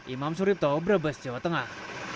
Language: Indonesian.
imam suripto brebes jawa tengah